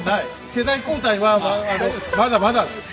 世代交代はまだまだです。